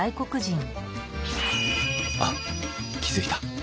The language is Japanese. あっ気付いた。